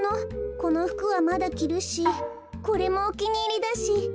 このふくはまだきるしこれもおきにいりだし。